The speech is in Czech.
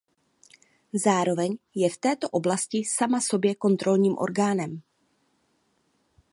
Zároveň je v této oblasti sama sobě kontrolním orgánem.